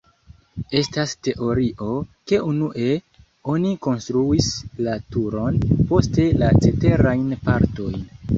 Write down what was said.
Estas teorio, ke unue oni konstruis la turon, poste la ceterajn partojn.